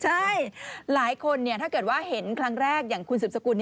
ใช่หลายคนถ้าเกิดว่าเห็นครั้งแรกอย่างคุณสืบสกุล